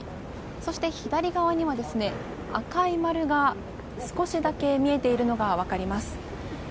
そして左側には赤い丸が少しだけ見えているのが分かります。